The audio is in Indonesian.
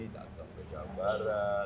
datang ke jawa barat